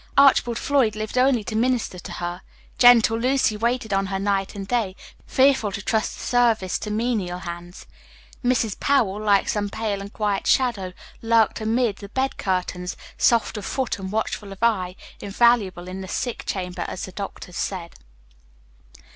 Archibald Floyd lived only to minister to her; gentle Lucy waited on her night and day, fearful to trust the service to menial hands: Mrs. Powell, like some pale and quiet shadow, lurked amid the bed curtains, soft of foot and watchful of eye, invaluable in the sick chamber, as the doctors said.